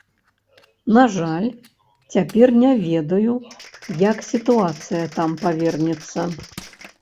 На жаль, цяпер не ведаю, як сітуацыя там павернецца.